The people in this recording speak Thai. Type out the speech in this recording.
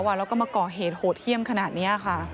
แล้วก็มาก่อเหตุโหดเยี่ยมขนาดนี้ค่ะ